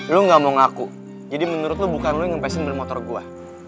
lo gak mau ngaku jadi menurut lo bukan lo yang ngepesin ban motor gue